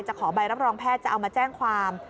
ขอใบรับรองแพทย์จะเอามาแจ้งความ